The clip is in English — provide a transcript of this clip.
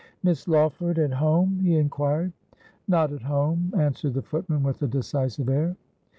' Miss Lawford at home ?' he inquired. ' Not at home,' answered the footman with a decisive air.